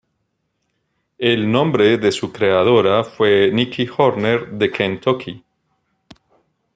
El nombre de su creadora fue Nikki Horner de Kentucky.